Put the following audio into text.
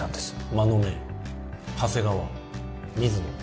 馬目長谷川水野